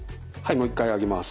もう一回上げます。